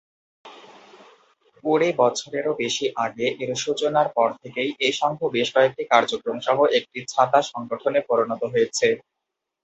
কুড়ি বছরেরও বেশি আগে এর সূচনার পর থেকেই, এই সংঘ বেশ কয়েকটি কার্যক্রম সহ একটি ছাতা সংগঠনে পরিণত হয়েছে।